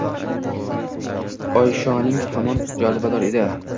Oshyoning hamon jozibador edi.